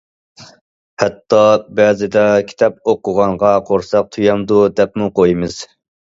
ھەتتا بەزىدە« كىتاب ئوقۇغانغا قورساق تويامدۇ؟» دەپمۇ قويىمىز.